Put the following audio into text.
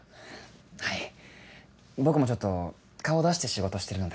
はい僕もちょっと顔出して仕事してるので。